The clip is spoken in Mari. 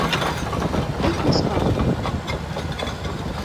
Ик ушкал.